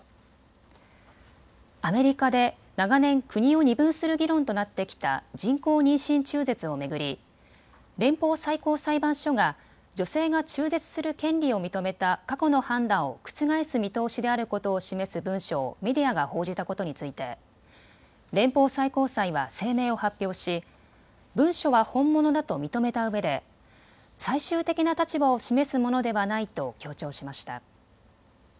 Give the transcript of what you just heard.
アメリカで長年、国を二分する議論となってきた人工妊娠中絶を巡り、連邦最高裁判所が女性が中絶する権利を認めた過去の判断を覆す見通しであることを示す文書をメディアが報じたことについて連邦最高裁は声明を発表し文書は本物だと認めたうえで最終的な立場を示すものではないと強調しました。